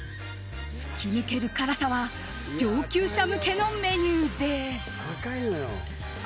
突き抜ける辛さは上級者向けのメニューです。